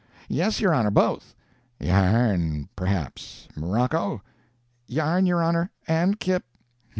"'Yes, your Honor both.' "'Yarn, perhaps? Morocco?' "'Yarn, your Honor. And kip.'